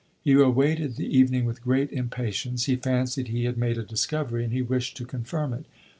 He awaited the evening with great impatience; he fancied he had made a discovery, and he wished to confirm it.